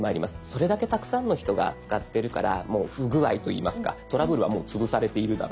それだけたくさんの人が使ってるからもう不具合といいますかトラブルはもう潰されているだろうとか。